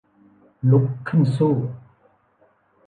ลุกขึ้นสู้